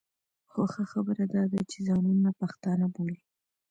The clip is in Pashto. خو ښه خبره دا ده چې ځانونه پښتانه بولي.